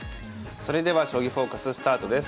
それでは「将棋フォーカス」スタートです。